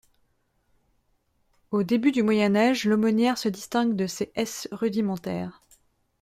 Au début du Moyen Âge, l'aumônière se distingue de ces s rudimentaires.